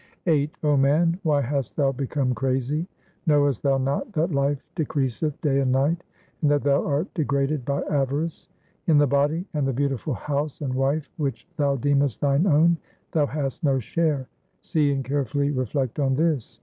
VIII O man, why hast thou become crazy ? Knowest thou not that life decreaseth day and night, and that thou art degraded by avarice ? In the body and the beautiful house and wife which thou deemest thine own, Thou hast no share ; see and carefully reflect on this.